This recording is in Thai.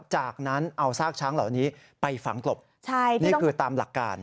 จากนั้นเอาซากช้างเหล่านี้ไปฝังกลบนี่คือตามหลักการ